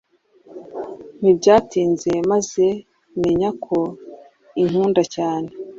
Ntibyatinze maze menya ko inkunda cyane